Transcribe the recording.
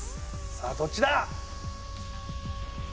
さあどっちだ？